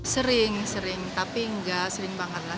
sering sering tapi enggak sering banget lah